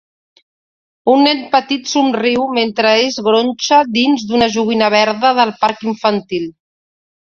Un nen petit somriu mentre es gronxa dins d'una joguina verda del parc infantil.